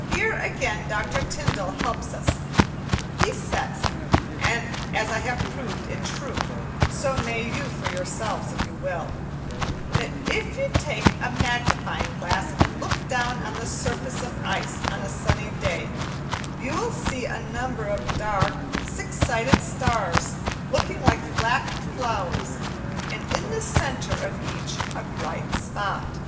Here, again, Dr. Tyndall helps us. He says (and as I have proved it true, so may you for yourselves, if you will) that if you take a magnifying glass, and look down on the surface of ice on a sunny day, you will see a number of dark, six sided stars, looking like flattened flowers, and in the centre of each a bright spot.